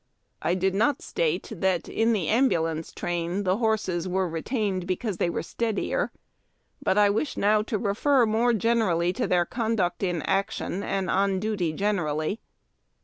I did not state that in the ambulance train the horses were retained because they were the steadier. But 1 wish now to refer more particularly to their conduct in action and on duty generally.